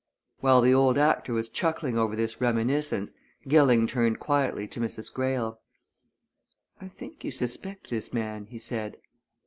While the old actor was chuckling over this reminiscence, Gilling turned quietly to Mrs. Greyle. "I think you suspect this man?" he said.